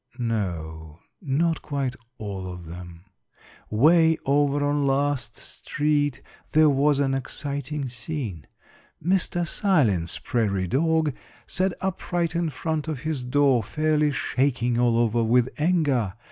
No, not quite all of them. Way over on Last street there was an exciting scene. Mr. Silence Prairie Dog sat upright in front of his door fairly shaking all over with anger.